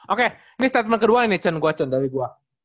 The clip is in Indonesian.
oke ini statement kedua nih cun dari gua